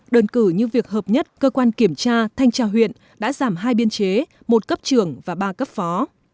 đơn cử như việc hợp nhất cơ quan kiểm tra thanh tra huyện đã giảm hai biên chế một cấp trường và ba cấp phó